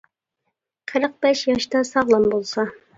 قىرىق بەش ياشتا : ساغلام بولسا.